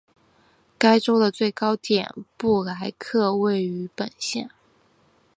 该州的最高点布莱克峰位于本县。